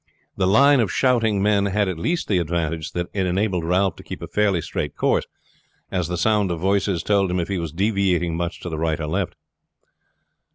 The line of shouting men had at least the advantage that it enabled Ralph to keep a fairly straight course, as the sound of voices told him if he was deviating much to the right or left.